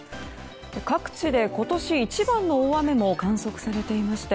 各地で今年一番の大雨も観測されていまして